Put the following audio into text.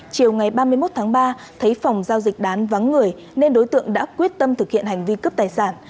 chiều ngày ba mươi một tháng ba thấy phòng giao dịch đán vắng người nên đối tượng đã quyết tâm thực hiện hành vi cướp tài sản